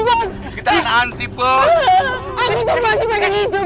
kembali ke baru